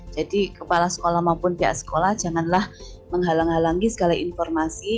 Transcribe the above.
jadi kepala sekolah maupun pihak sekolah janganlah menghalangi segala informasi